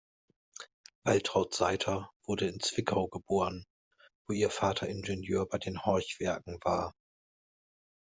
Waltraut Seitter wurde in Zwickau geboren, wo ihr Vater Ingenieur bei den Horch-Werken war.